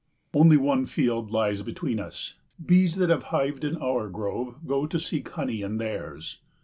Only one field lies between us. Bees that have hived in our grove go to seek honey in theirs.